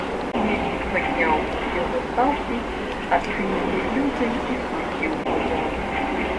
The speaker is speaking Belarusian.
Мельнік падняў усе застаўкі, адчыніў шлюзы і спусціў возера.